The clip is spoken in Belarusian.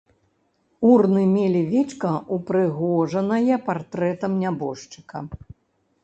Урны мелі вечка, упрыгожанае партрэтам нябожчыка.